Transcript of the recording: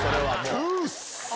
トゥース！